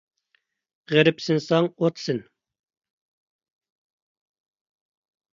غېرىبسىنساڭ ئوتسىن.